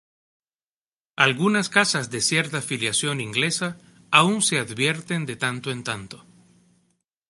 Algunas casas de cierta filiación inglesa aún se advierten de tanto en tanto.